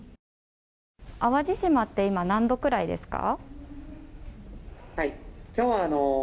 淡路島って今、何度くらいですか。